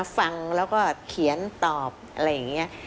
ฟังแล้วก็เขียนตอบอะไรอย่างนี้